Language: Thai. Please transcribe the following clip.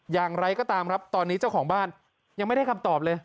อย่างไรก็ตามครับตอนนี้เจ้าของบ้านยังไม่ได้คำตอบเลย